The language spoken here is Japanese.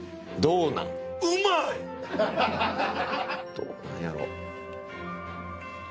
どうなんやろ？